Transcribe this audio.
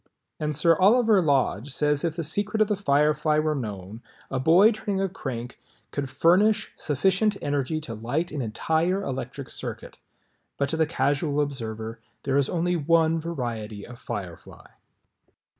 And Sir Oliver Lodge says if the secret of the Firefly were known, a boy turning a crank could furnish sufficient energy to light an entire electric circuit. But to the Casual Observer there is only one variety of Firefly.